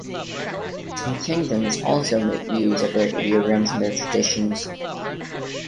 Some kingdoms also made use of ideograms in their traditions.